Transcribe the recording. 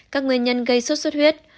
các nguyên nhân gây suốt suốt huyết